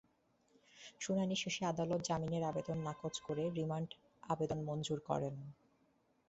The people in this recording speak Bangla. শুনানি শেষে আদালত জামিনের আবেদন নাকচ করে রিমান্ড আবেদন মঞ্জুর করেন।